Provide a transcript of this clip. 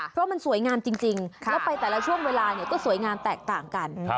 เพราะมันสวยงามจริงแล้วไปแต่ละช่วงเวลาก็สวยงามแตกต่างกัน